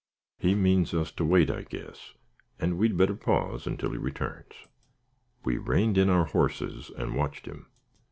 "He means us to wait, I guess, and we had better pause until he returns." We reined in our horses and watched him.